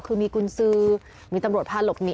คือมีกุญสือมีตำรวจพาหลบหนี